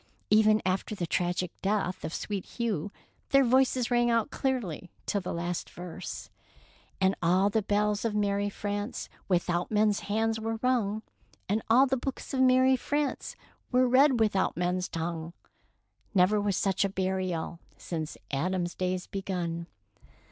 *' Even after the tragic death of Sweet Hugh their voices rang out clearly till the last verse, —" And all the bells of merry France Without men's hands were rung ; And all the books of merry France Were read without men's tongue. Never was such a burial Since Adam's days begun."